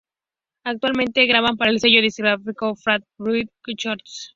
Actualmente, graban para el sello discográfico Fat Wreck Chords.